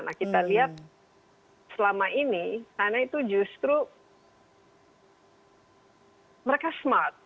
nah kita lihat selama ini china itu justru mereka smart